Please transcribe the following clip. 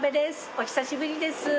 お久しぶりです。